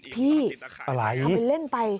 พี่เอาไปเล่นไป